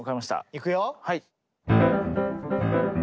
いくよ。